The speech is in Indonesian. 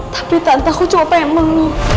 tapi tante aku coba emang